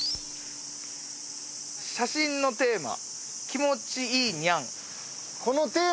「写真のテーマ気持ちいいニャン」。